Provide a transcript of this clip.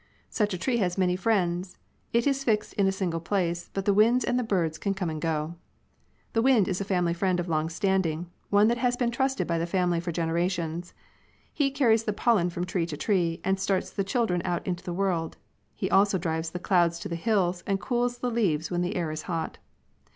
Such a tree has many friends. It is fixed in a single place, but the winds and birds can come and go. The wind is a family friend of long standing, one that has been trusted by the family for generations. He carries the pollen from tree to tree, and starts the "children out into the world. He also drives the clouds to the hills, and cools the leaves when the air is hot.